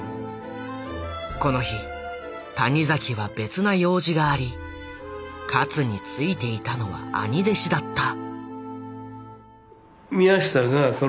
この日谷崎は別な用事があり勝についていたのは兄弟子だった。